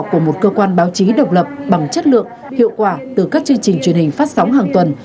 của một cơ quan báo chí độc lập bằng chất lượng hiệu quả từ các chương trình truyền hình phát sóng hàng tuần